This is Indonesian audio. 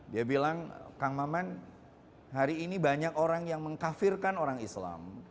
dia bilang kang maman hari ini banyak orang yang mengkafirkan orang islam